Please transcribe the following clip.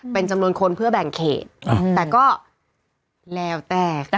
เป็นจำนวนคนเพื่อแบ่งเขต